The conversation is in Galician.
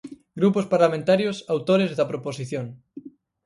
Grupos parlamentarios autores da proposición.